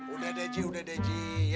udah deh ji udah deh ji